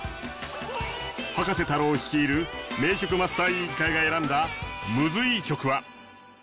葉加瀬太郎率いる名曲マスター委員会が選んだムズいい曲は。